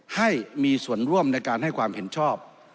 ให้มีส่วนร่วมในการให้ความเห็นชอบ